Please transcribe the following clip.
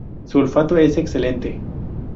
Su olfato es excelente.